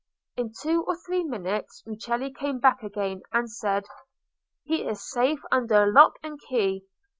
In two or three minutes Rucellai came back again, and said— "He is safe under lock and key.